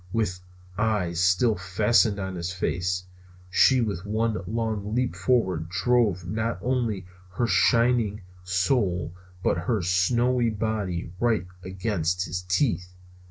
With eyes still fastened on his face, she with one long leap forward drove not only her shining soul but her snowy body right against his teeth.